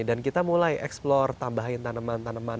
dan kita mulai explore tambahin tanaman tanaman